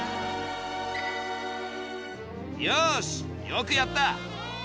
よしよくやった！